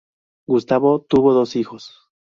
Gustavo tuvo dos hijos.